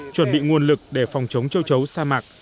chuẩn bị nguồn lực để phòng chống châu chấu sa mạc